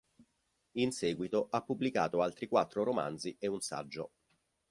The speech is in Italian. In seguito ha pubblicato altri quattro romanzi e un saggio.